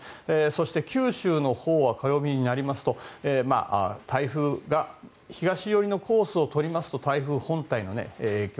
そして九州のほうは火曜日になりますと台風が東寄りのコースを通りますと台風本体の影響